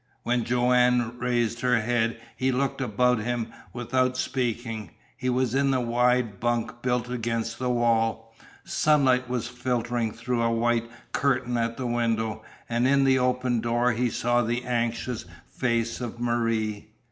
When Joanne raised her head he looked about him without speaking. He was in the wide bunk built against the wall. Sunlight was filtering through a white curtain at the window, and in the open door he saw the anxious face of Marie.